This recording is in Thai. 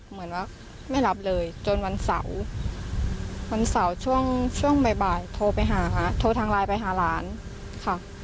เหมือนว่าไม่รับเลยจนวันเสาร์วันเสาร์ช่วงบ่ายโทรทางไลน์ไปหาหลานค่ะ